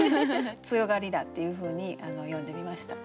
強がりだっていうふうに詠んでみました。